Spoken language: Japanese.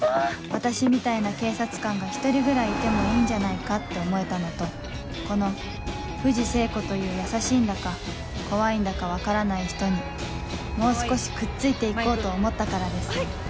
私みたいな警察官が１人ぐらいいてもいいんじゃないかって思えたのとこの藤聖子という優しいんだか怖いんだか分からない人にもう少しくっついて行こうと思ったからです